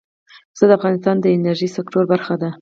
پسه د افغانستان د انرژۍ سکتور برخه ده.